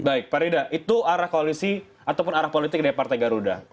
baik pak rida itu arah koalisi ataupun arah politik dari partai garuda